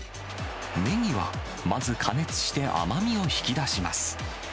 ねぎはまず加熱して甘みを引き出します。